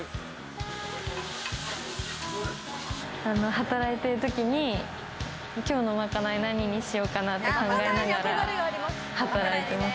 働いてる時に今日のまかない、何にしようかなって考えながら働いてます。